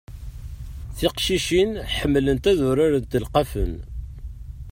Tiqcicin ḥemmlent ad urarent ilqafen.